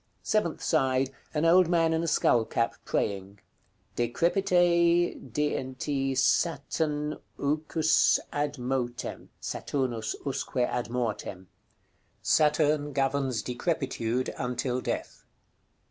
Seventh side. An old man in a skull cap, praying. "DECREPITE DNT SATN UQ^s ADMOTE." (Saturnus usque ad mortem.) Saturn governs decrepitude until death.